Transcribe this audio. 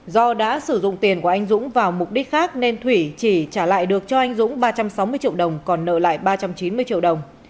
do đã sử dụng tiền của anh dũng vào mục đích khác nên thủy chỉ trả lại được cho anh dũng ba trăm sáu mươi triệu đồng còn nợ lại ba trăm chín mươi triệu đồng